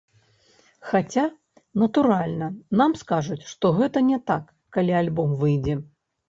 Хаця, натуральна, нам скажуць, што гэта не так, калі альбом выйдзе.